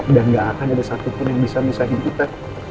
dan gak akan ada satupun yang bisa nisahin kita